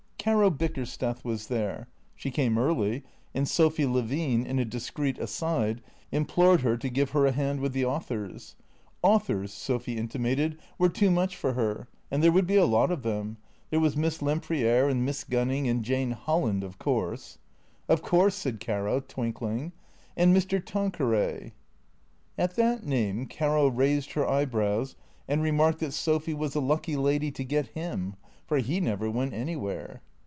Caro Bickerstcth was there ; she came early, and Sophy Levine, in a discreet aside, implored her to give her a hand with the 264 THECEEATOKS 265 authors. Authors, Sophy intimated, were too much for her, and there would be a lot of them. There was Miss Lempriere and Miss Gunning, and Jane Holland, of course " Of course," said Care, twinkling. "And Mr. Tanqueray." At that name Care raised her eyebrows and remarked that Sophy was a lucky lady to get Him, for He never went any where.